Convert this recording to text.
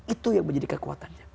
itu yang menjadi kekuatannya